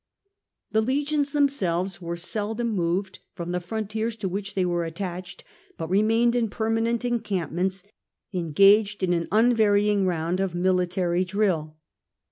The legions themselves were seldom moved from the frontiers to which they were attached, but remained in permanent encampments, engaged in an unvarying round of military drill.